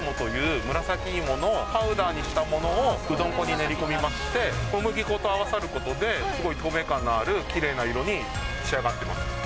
アヤムラサキイモというムラサキイモをパウダーにしたものを、うどん粉に練り込みまして、小麦粉と合わさることで、すごい透明感のあるきれいな色に仕上がっています。